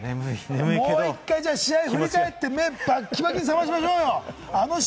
もう１回、試合振り返って目をバキバキに目、覚ましましょうよ。